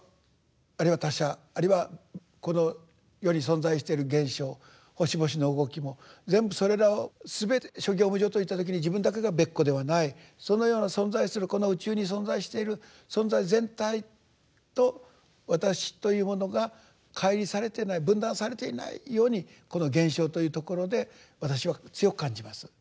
あるいは他者あるいはこの世に存在してる現象星々の動きも全部それらをすべて「諸行無常」といった時に自分だけが別個ではないそのような存在するこの宇宙に存在している存在全体と私というものが乖離されてない分断されていないようにこの「現象」というところで私は強く感じます。